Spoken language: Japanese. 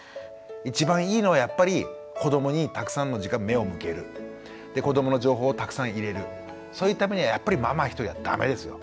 一番いいのはやっぱり子どもにたくさんの時間目を向けるで子どもの情報をたくさん入れるそういうためにはやっぱりママ一人ではダメですよ。